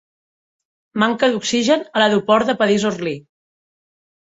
Manca d'oxigen a l'aeroport de París Orly.